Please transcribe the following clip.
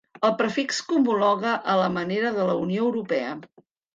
El prefix que homologa a la manera de la Unió Europea.